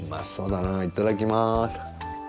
いただきます。